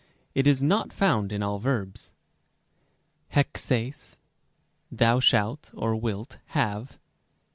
It is not found in all verbs. ἕξεις, thou shalt, or wilt, have.